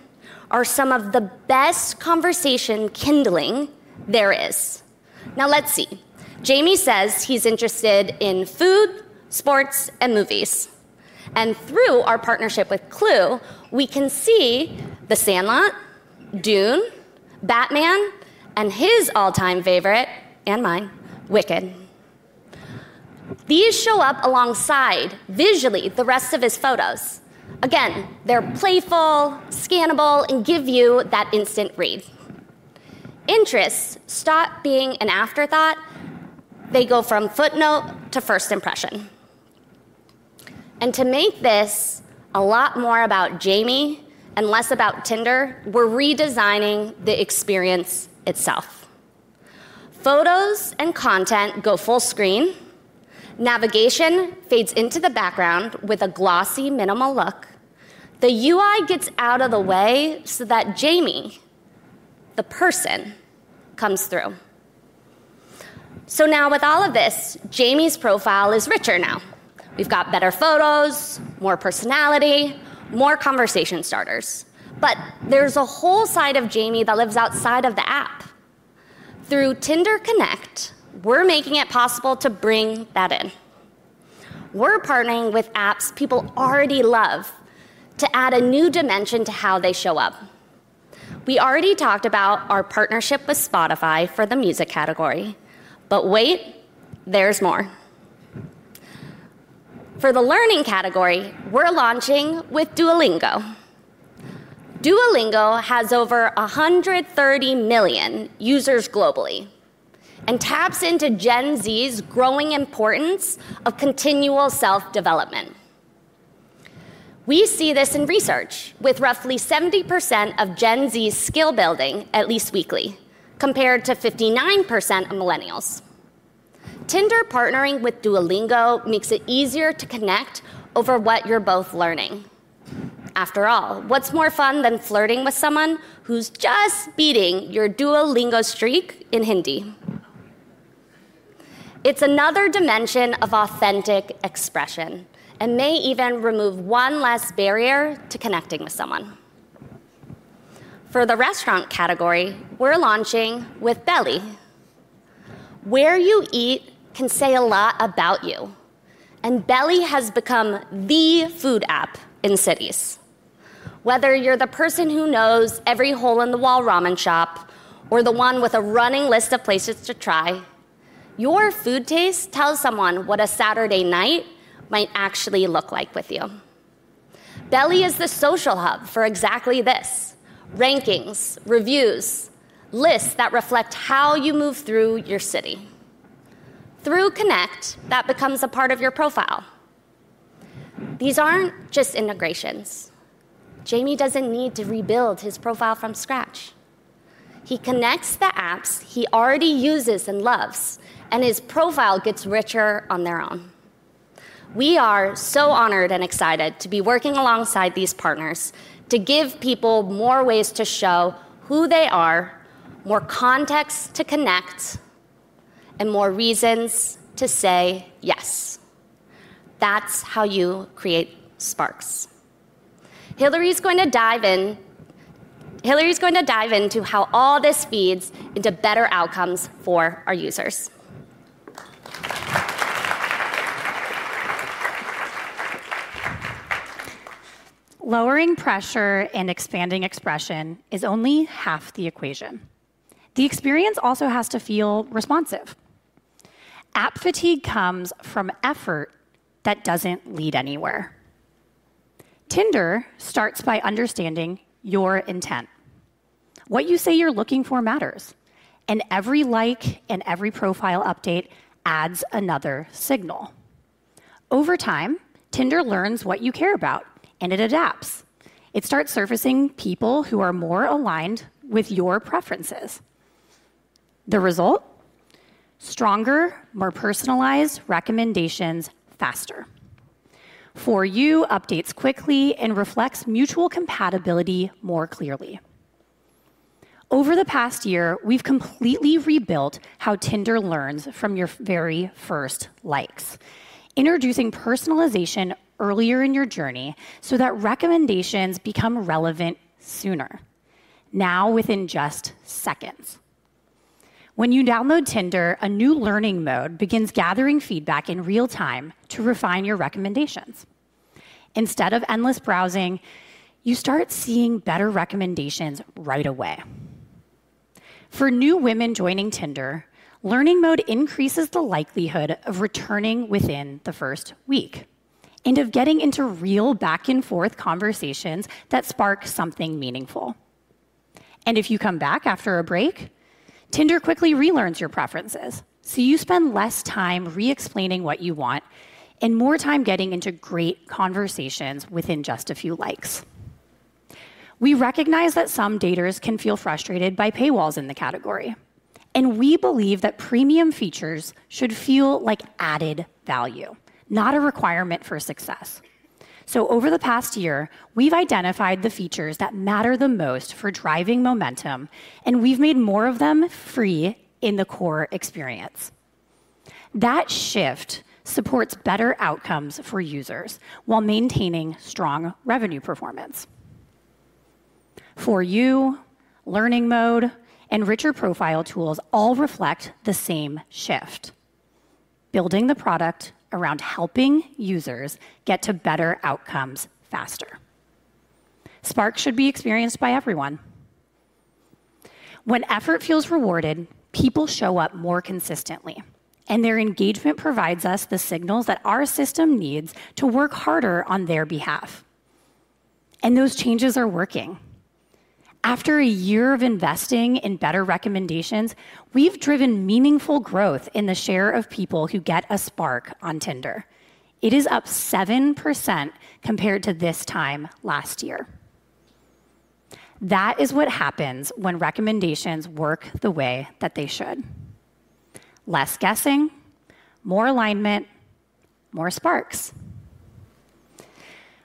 are some of the best conversation kindling there is. Now, let's see. Jamie says he's interested in food, sports, and movies. Through our partnership with Clue, we can see The Sandlot, Dune, Batman, and his all-time favorite, and mine, Wicked. These show up alongside visually the rest of his photos. Again, they're playful, scannable, and give you that instant read. Interests stop being an afterthought. They go from footnote to first impression. To make this a lot more about Jamie and less about Tinder, we're redesigning the experience itself. Photos and content go full screen. Navigation fades into the background with a glossy minimal look. The UI gets out of the way so that Jamie, the person, comes through. Now with all of this, Jamie's profile is richer now. We've got better photos, more personality, more conversation starters. There's a whole side of Jamie that lives outside of the app. Through Tinder Connect, we're making it possible to bring that in. We're partnering with apps people already love to add a new dimension to how they show up. We already talked about our partnership with Spotify for the music category, but wait, there's more. For the learning category, we're launching with Duolingo. Duolingo has over 130 million users globally and taps into Gen Z's growing importance of continual self-development. We see this in research with roughly 70% of Gen Z's skill building at least weekly, compared to 59% of millennials. Tinder partnering with Duolingo makes it easier to connect over what you're both learning. After all, what's more fun than flirting with someone who's just beating your Duolingo streak in Hindi? It's another dimension of authentic expression and may even remove one last barrier to connecting with someone. For the restaurant category, we're launching with Beli. Where you eat can say a lot about you, and Beli has become the food app in cities. Whether you're the person who knows every hole-in-the-wall ramen shop or the one with a running list of places to try, your food taste tells someone what a Saturday night might actually look like with you. Beli is the social hub for exactly this, rankings, reviews, lists that reflect how you move through your city. Through Connect, that becomes a part of your profile. These aren't just integrations. Jamie doesn't need to rebuild his profile from scratch. He connects the apps he already uses and loves, and his profile gets richer on their own. We are so honored and excited to be working alongside these partners to give people more ways to show who they are, more context to connect, and more reasons to say yes. That's how you create sparks. Hillary's going to dive in. Hillary's going to dive into how all this feeds into better outcomes for our users. Lowering pressure and expanding expression is only half the equation. The experience also has to feel responsive. App fatigue comes from effort that doesn't lead anywhere. Tinder starts by understanding your intent. What you say you're looking for matters, and every like and every profile update adds another signal. Over time, Tinder learns what you care about, and it adapts. It starts surfacing people who are more aligned with your preferences. The result? Stronger, more personalized recommendations faster. For you, updates quickly and reflects mutual compatibility more clearly. Over the past year, we've completely rebuilt how Tinder learns from your very first likes. Introducing personalization earlier in your journey so that recommendations become relevant sooner. Now, within just seconds. When you download Tinder, a new Learning Mode begins gathering feedback in real-time to refine your recommendations. Instead of endless browsing, you start seeing better recommendations right away. For new women joining Tinder, Learning Mode increases the likelihood of returning within the first week and of getting into real back-and-forth conversations that spark something meaningful. If you come back after a break, Tinder quickly relearns your preferences, so you spend less time re-explaining what you want and more time getting into great conversations within just a few likes. We recognize that some daters can feel frustrated by paywalls in the category. We believe that premium features should feel like added value, not a requirement for success. Over the past year, we've identified the features that matter the most for driving momentum, and we've made more of them free in the core experience. That shift supports better outcomes for users while maintaining strong revenue performance. For you, Learning Mode and richer profile tools all reflect the same shift. Building the product around helping users get to better outcomes faster. Sparks should be experienced by everyone. When effort feels rewarded, people show up more consistently, and their engagement provides us the signals that our system needs to work harder on their behalf. Those changes are working. After a year of investing in better recommendations, we've driven meaningful growth in the share of people who get a spark on Tinder. It is up 7% compared to this time last year. That is what happens when recommendations work the way that they should. Less guessing, more alignment, more sparks.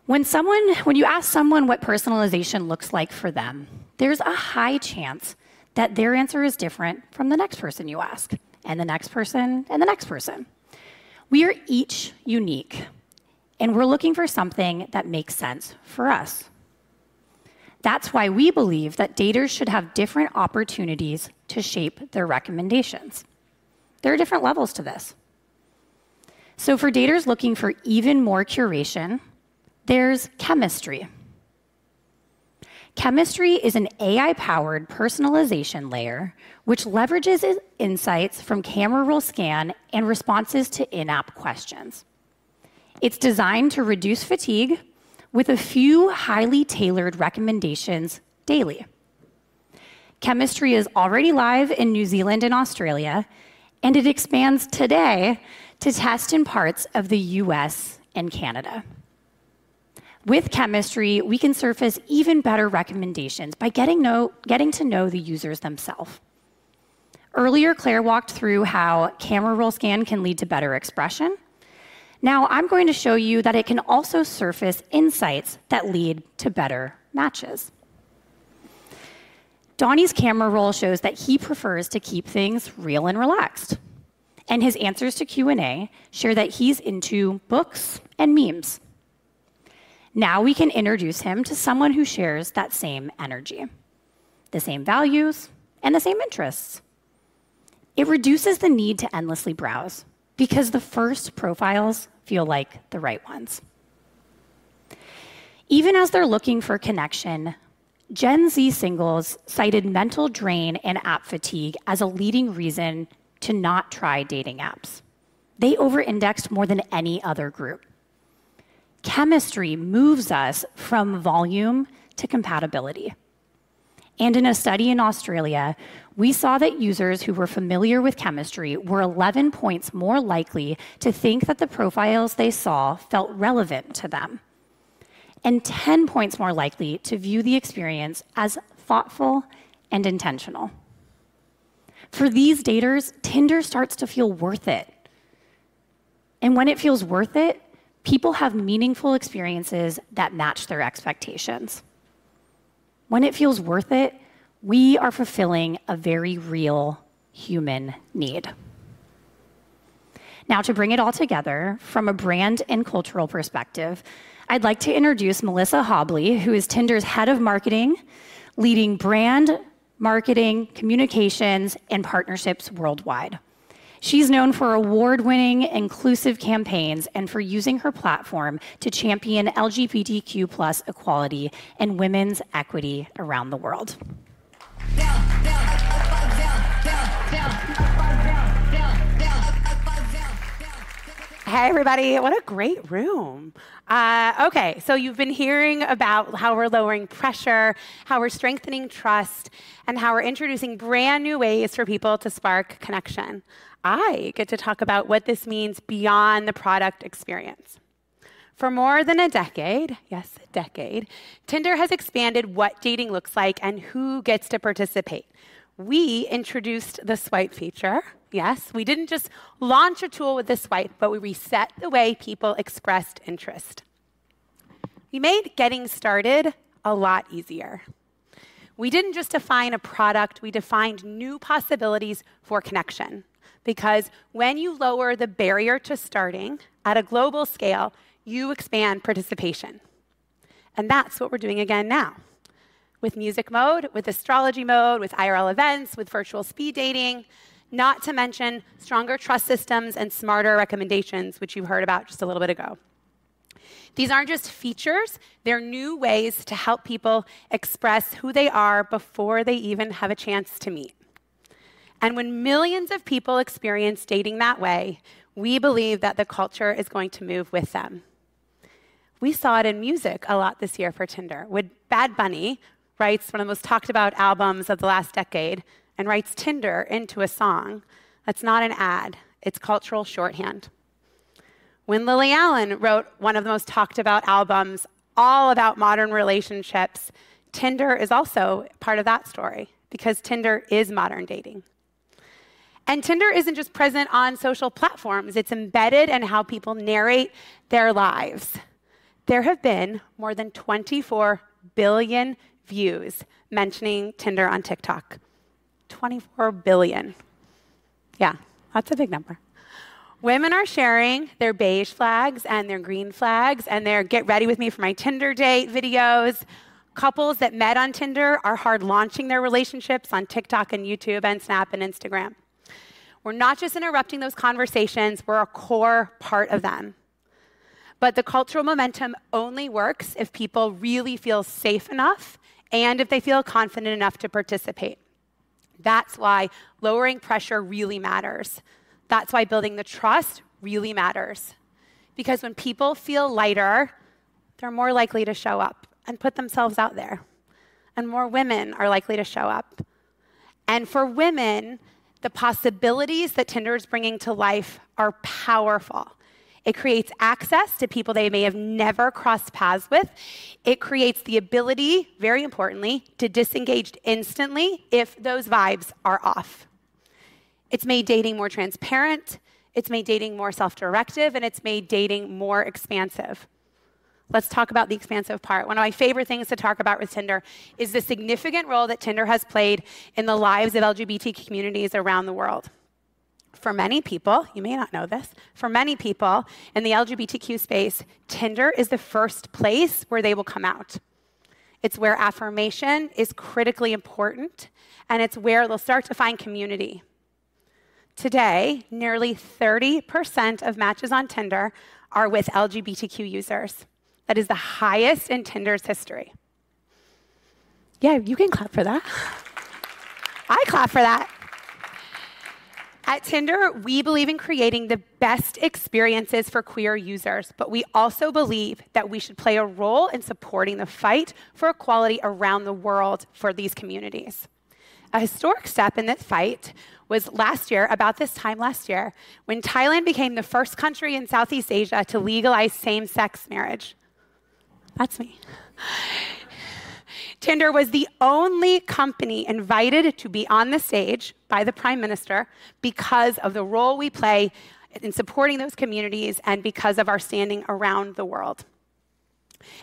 When you ask someone what personalization looks like for them, there's a high chance that their answer is different from the next person you ask, and the next person, and the next person. We are each unique, and we're looking for something that makes sense for us. That's why we believe that daters should have different opportunities to shape their recommendations. There are different levels to this. For daters looking for even more curation, there's Chemistry. Chemistry is an AI-powered personalization layer which leverages insights from Camera Roll Scan and responses to in-app questions. It's designed to reduce fatigue with a few highly tailored recommendations daily. Chemistry is already live in New Zealand and Australia, and it expands today to test in parts of the US and Canada. With Chemistry, we can surface even better recommendations by getting to know the users themselves. Earlier, Claire walked through how Camera Roll Scan can lead to better expression. Now I'm going to show you that it can also surface insights that lead to better matches. Donnie's camera roll shows that he prefers to keep things real and relaxed. His answers to Q&A share that he's into books and memes. Now we can introduce him to someone who shares that same energy, the same values, and the same interests. It reduces the need to endlessly browse because the first profiles feel like the right ones. Even as they're looking for connection, Gen Z singles cited mental drain and app fatigue as a leading reason to not try dating apps. They over-index more than any other group. Chemistry moves us from volume to compatibility. In a study in Australia, we saw that users who were familiar with Chemistry were 11 points more likely to think that the profiles they saw felt relevant to them and 10 points more likely to view the experience as thoughtful and intentional. For these daters, Tinder starts to feel worth it. When it feels worth it, people have meaningful experiences that match their expectations. When it feels worth it, we are fulfilling a very real human need. Now to bring it all together from a brand and cultural perspective, I'd like to introduce Melissa Hobley, who is Tinder's head of marketing, leading brand, marketing, communications, and partnerships worldwide. She's known for award-winning inclusive campaigns and for using her platform to champion LGBTQ plus equality and women's equity around the world. Hi, everybody. What a great room. You've been hearing about how we're lowering pressure, how we're strengthening trust, and how we're introducing brand new ways for people to spark connection. I get to talk about what this means beyond the product experience. For more than a decade, yes, a decade, Tinder has expanded what dating looks like and who gets to participate. We introduced the swipe feature. Yes, we didn't just launch a tool with a swipe, but we reset the way people expressed interest. We made getting started a lot easier. We didn't just define a product, we defined new possibilities for connection because when you lower the barrier to starting at a global scale, you expand participation. That's what we're doing again now with Music Mode, with Astrology Mode, with IRL events, with virtual speed dating, not to mention stronger trust systems and smarter recommendations, which you heard about just a little bit ago. These aren't just features. They're new ways to help people express who they are before they even have a chance to meet. When millions of people experience dating that way, we believe that the culture is going to move with them. We saw it in music a lot this year for Tinder. When Bad Bunny writes one of the most talked about albums of the last decade and writes Tinder into a song, that's not an ad. It's cultural shorthand. When Lily Allen wrote one of the most talked about albums all about modern relationships, Tinder is also part of that story because Tinder is modern dating. Tinder isn't just present on social platforms. It's embedded in how people narrate their lives. There have been more than 24 billion views mentioning Tinder on TikTok. 24 billion. Yeah, that's a big number. Women are sharing their beige flags and their green flags and their get ready with me for my Tinder date videos. Couples that met on Tinder are hard-launching their relationships on TikTok and YouTube and Snap and Instagram. We're not just interrupting those conversations, we're a core part of them. The cultural momentum only works if people really feel safe enough and if they feel confident enough to participate. That's why lowering pressure really matters. That's why building the trust really matters because when people feel lighter, they're more likely to show up and put themselves out there, and more women are likely to show up. For women, the possibilities that Tinder is bringing to life are powerful. It creates access to people they may have never crossed paths with. It creates the ability, very importantly, to disengage instantly if those vibes are off. It's made dating more transparent, it's made dating more self-directive, and it's made dating more expansive. Let's talk about the expansive part. One of my favorite things to talk about with Tinder is the significant role that Tinder has played in the lives of LGBTQ communities around the world. For many people, you may not know this, for many people in the LGBTQ space, Tinder is the first place where they will come out. It's where affirmation is critically important, and it's where they'll start to find community. Today, nearly 30% of matches on Tinder are with LGBTQ users. That is the highest in Tinder's history. Yeah, you can clap for that. I clap for that. At Tinder, we believe in creating the best experiences for queer users, but we also believe that we should play a role in supporting the fight for equality around the world for these communities. A historic step in this fight was last year, about this time last year, when Thailand became the first country in Southeast Asia to legalize same-sex marriage. That's me. Tinder was the only company invited to be on the stage by the Prime Minister because of the role we play in supporting those communities and because of our standing around the world.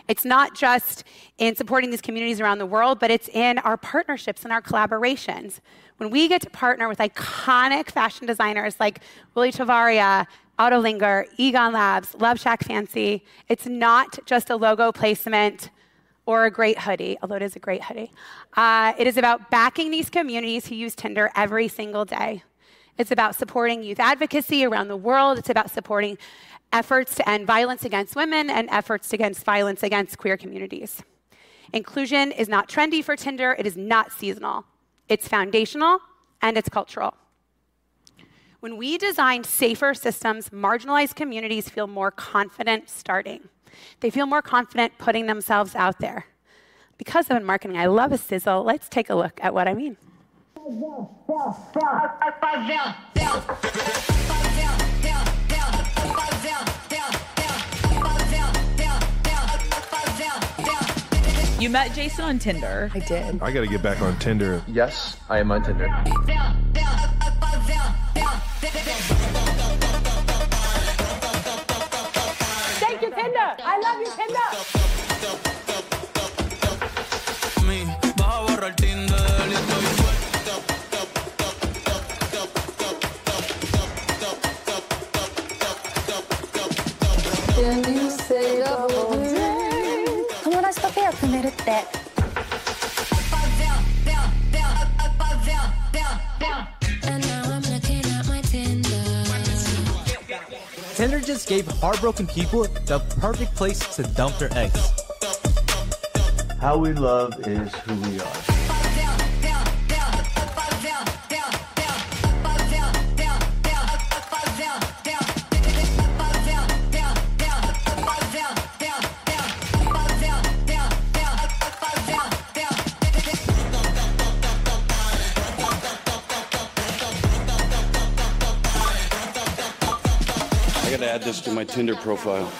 It's not just in supporting these communities around the world, but it's in our partnerships and our collaborations. When we get to partner with iconic fashion designers like Willy Chavarria, Ottolinger, EGONLAB, LoveShackFancy, it's not just a logo placement or a great hoodie, although it is a great hoodie. It is about backing these communities who use Tinder every single day. It's about supporting youth advocacy around the world. It's about supporting efforts to end violence against women and efforts against violence against queer communities. Inclusion is not trendy for Tinder. It is not seasonal. It's foundational and it's cultural. When we design safer systems, marginalized communities feel more confident starting. They feel more confident putting themselves out there. Because I'm in marketing, I love a sizzle. Let's take a look at what I mean. You met Jason on Tinder. I did. I gotta get back on Tinder. Yes, I am on Tinder. Thank you, Tinder. I love you, Tinder. Tinder just gave heartbroken people the perfect place to dump their ex. How we love is who we are. I gotta add this to my Tinder profile.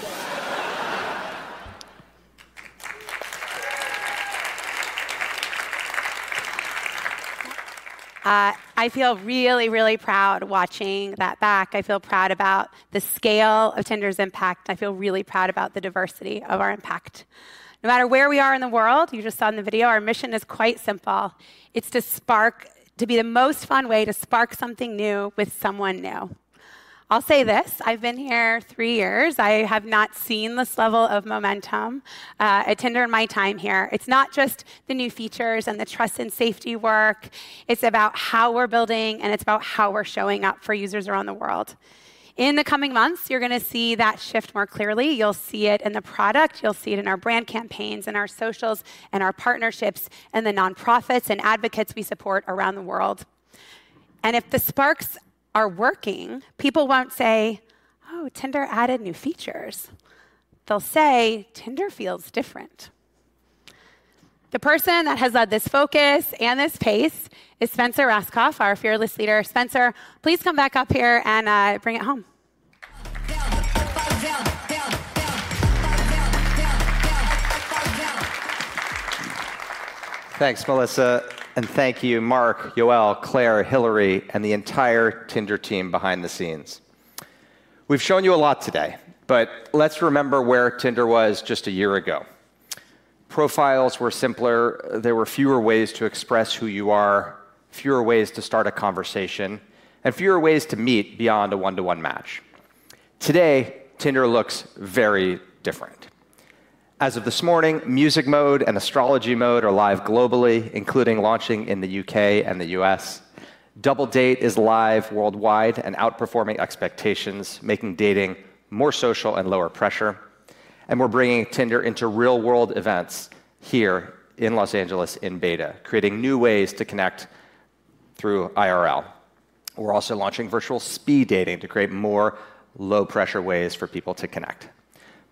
I feel really, really proud watching that back. I feel proud about the scale of Tinder's impact. I feel really proud about the diversity of our impact. No matter where we are in the world, you just saw in the video, our mission is quite simple. It's to spark to be the most fun way to spark something new with someone new. I'll say this, I've been here three years. I have not seen this level of momentum at Tinder in my time here. It's not just the new features and the trust and safety work. It's about how we're building, and it's about how we're showing up for users around the world. In the coming months, you're gonna see that shift more clearly. You'll see it in the product. You'll see it in our brand campaigns, in our socials, in our partnerships, and the nonprofits and advocates we support around the world. If the sparks are working, people won't say, "Oh, Tinder added new features." They'll say, "Tinder feels different." The person that has led this focus and this pace is Spencer Rascoff, our fearless leader. Spencer, please come back up here and bring it home. Thanks, Melissa. Thank you, Mark, Yoel, Claire, Hillary, and the entire Tinder team behind the scenes. We've shown you a lot today, but let's remember where Tinder was just a year ago. Profiles were simpler. There were fewer ways to express who you are, fewer ways to start a conversation, and fewer ways to meet beyond a one-to-one match. Today, Tinder looks very different. As of this morning, Music Mode and Astrology Mode are live globally, including launching in the U.K. and the U.S. Double Date is live worldwide and outperforming expectations, making dating more social and lower pressure. We're bringing Tinder into real-world events here in Los Angeles in beta, creating new ways to connect through IRL. We're also launching virtual speed dating to create more low-pressure ways for people to connect.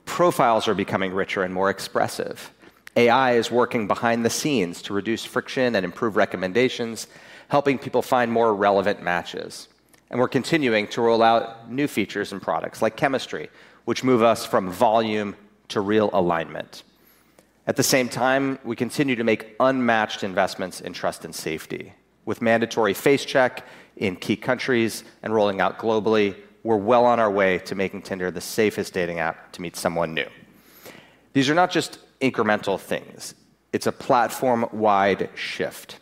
Profiles are becoming richer and more expressive. AI is working behind the scenes to reduce friction and improve recommendations, helping people find more relevant matches. We're continuing to roll out new features and products like Chemistry, which move us from volume to real alignment. At the same time, we continue to make unmatched investments in trust and safety. With mandatory Face Check in key countries and rolling out globally, we're well on our way to making Tinder the safest dating app to meet someone new. These are not just incremental things. It's a platform-wide shift.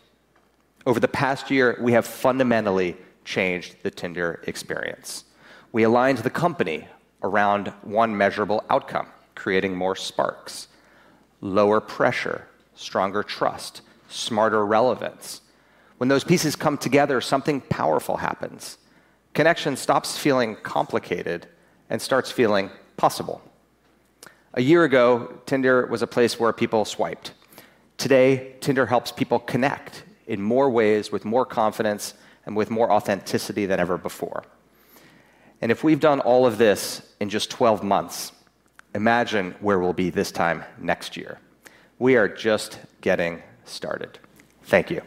Over the past year, we have fundamentally changed the Tinder experience. We aligned the company around one measurable outcome, creating more sparks, lower pressure, stronger trust, smarter relevance. When those pieces come together, something powerful happens. Connection stops feeling complicated and starts feeling possible. A year ago, Tinder was a place where people swiped. Today, Tinder helps people connect in more ways with more confidence and with more authenticity than ever before. If we've done all of this in just 12 months, imagine where we'll be this time next year. We are just getting started. Thank you.